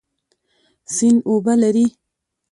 سیند اوبه لري.